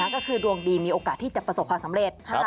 ก็คือดวงดีมีโอกาสที่จะประสบความสำเร็จ